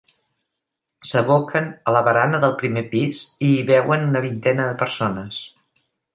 S'aboquen a la barana del primer pis i hi veuen una vintena de persones.